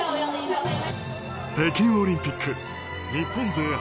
北京オリンピック日本勢